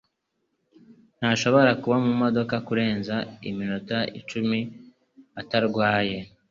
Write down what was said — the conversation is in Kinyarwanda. ntashobora kuba mumodoka kurenza iminota icumi atarwaye.